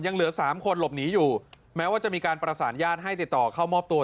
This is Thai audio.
เหลือสามคนหลบหนีอยู่แม้ว่าจะมีการประสานญาติให้ติดต่อเข้ามอบตัว